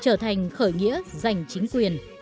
trở thành khởi nghĩa giành chính quyền